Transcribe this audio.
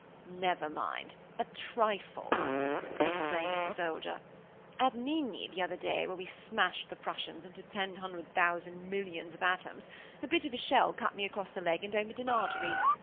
"Never mind! a trifle!" exclaimed the soldier. "At Ligny, the other day, where we smashed the Prussians into ten hundred thousand milliards of atoms, a bit of a shell cut me across the leg and opened an artery.